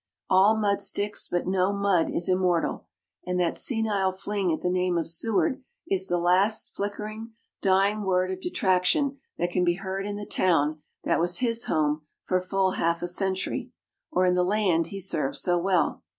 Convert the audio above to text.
All mud sticks, but no mud is immortal, and that senile fling at the name of Seward is the last flickering, dying word of detraction that can be heard in the town that was his home for full half a century, or in the land he served so well.